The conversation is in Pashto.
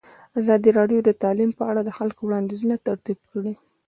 ازادي راډیو د تعلیم په اړه د خلکو وړاندیزونه ترتیب کړي.